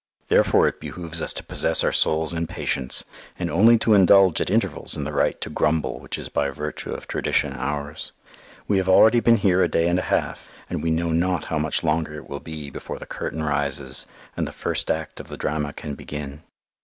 Therefore it behoves us to possess our souls in patience, and only to indulge at intervals in the right to grumble which is by virtue of tradition ours. We have already been here a day and a half, and we know not how much longer it will be before the curtain rises and the first act of the drama can begin.